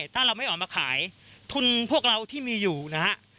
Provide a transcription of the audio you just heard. ถ้าเราไม่ออกมาขายทุนพวกเราที่มีอยู่นะฮะ